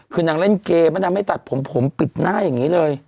คือนางเล่นเกมแล้วนางไม่ตัดผมผมปิดหน้าอย่างนี้เลย